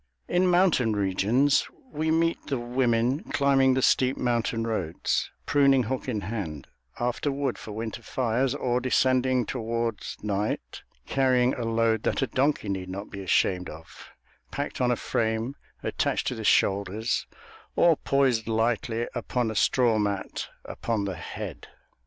In mountain regions we meet the women climbing the steep mountain roads, pruning hook in hand, after wood for winter fires; or descending, towards night, carrying a load that a donkey need not be ashamed of, packed on a frame attached to the shoulders, or poised lightly upon a straw mat upon the head.